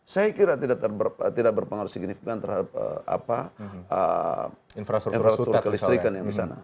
saya kira tidak berpengaruh signifikan terhadap infrastruktur kelistrikan yang di sana